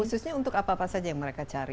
khususnya untuk apa apa saja yang mereka cari